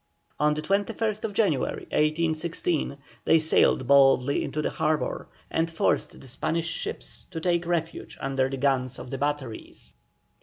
On the 21st January, 1816, they sailed boldly into the harbour, and forced the Spanish ships to take refuge under the guns of the batteries.